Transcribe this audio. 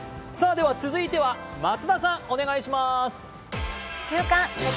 続いては松田さん、お願いします。